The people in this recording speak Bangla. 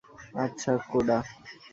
আচ্ছা, কোডা।